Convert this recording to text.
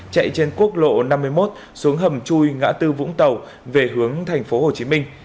chạy trên quốc lộ năm mươi một xuống hầm chui ngã tư vũng tàu về hướng thành phố hồ chí minh